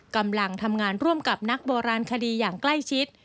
กำลังทำงานร่วมกับนักโบราณคดีอย่างใกล้ชิด